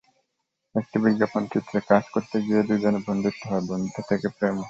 একটি বিজ্ঞাপনচিত্রে কাজ করতে গিয়েই দুজনের বন্ধুত্ব হয়, বন্ধুত্ব থেকে প্রেম।